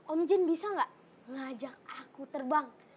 om jin bisa gak ngajak aku terbang